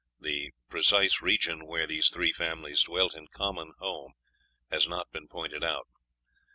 The precise region where these three families dwelt in a common home has not been pointed out."